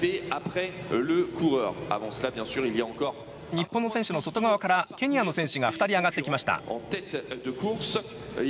日本の選手の外側からケニアの選手が２人上がってきました。